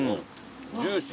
ジューシー。